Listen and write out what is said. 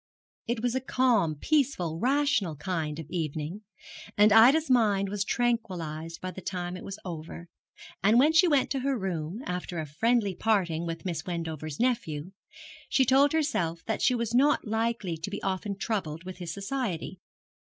It was a calm, peaceful, rational kind of evening, and Ida's mind was tranquillized by the time it was over; and when she went to her room, after a friendly parting with Miss Wendover's nephew, she told herself that she was not likely to be often troubled with his society.